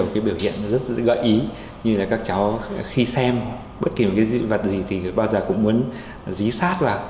khi xem bất kỳ một dự vật gì thì bao giờ cũng muốn dí sát vào